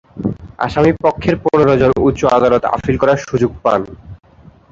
আসামি পক্ষের পনেরো জন উচ্চ আদালতে আপিল করার সুযোগ পান।